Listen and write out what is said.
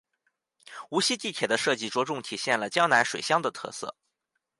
无锡地铁的设计着重体现了江南水乡的特色。